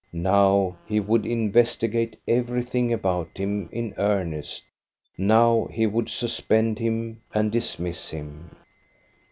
Now he would investigate everything about him in earnest; now he would suspend him and dismiss him.